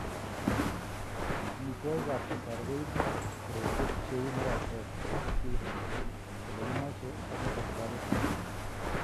Amitwogikab kasari koibu korotwek cheu neratet kosir Ole kimochei ak nebo sukaruk